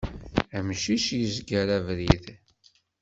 Amcic yezger abrid.